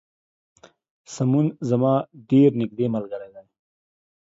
سمون زما ډیر نږدې ملګری دی